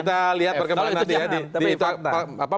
kita lihat perkembangan nanti ya